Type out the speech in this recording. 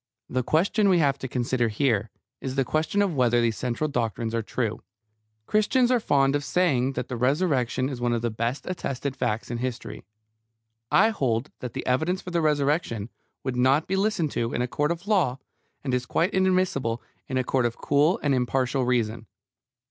The question we have to consider here is the question of whether these central doctrines are true. Christians are fond of saying that the Resurrection is one of the best attested facts in history. I hold that the evidence for the Resurrection would not be listened to in a court of law, and is quite inadmissible in a court of cool and impartial reason.